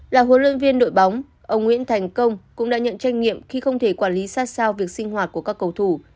là huấn luyện viên đội bóng ông nguyễn thành công cũng đã nhận trách nhiệm khi không thể quản lý sát sao việc sinh hoạt của các cầu thủ